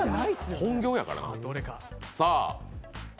本業やからな。